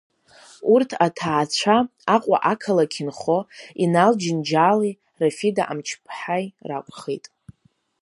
Урҭ аҭаацәа, Аҟәа ақалақь инхо, Инал Џьынџьали Рафида Амҷԥҳаи ракәхеит.